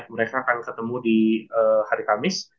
mereka akan ketemu di hari kamis